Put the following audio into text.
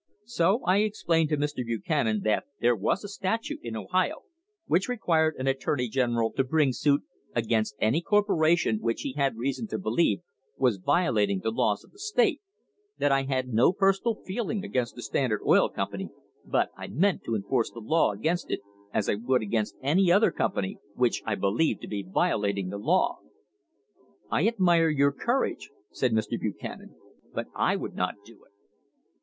So I explained to Mr. Buchanan that there was a statute in Ohio which required an attorney general to bring suit against any corporation which he had reason to believe was violating the laws of the state; that I had no personal feeling against the Standard Oil Com pany, but I meant to enforce the law against it as I would against any other company which I believed to be violating the law." "I admire your courage," said Mr. Buchanan, "but I would not do it."